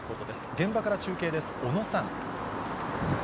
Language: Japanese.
現場から中継です、小野さん。